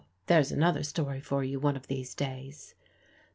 Well there's another story for you one of these days.)